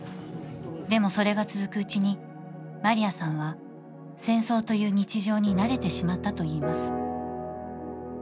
でもそれが続くうちに、マリアさんは戦争という日常に慣れてしまったといいます。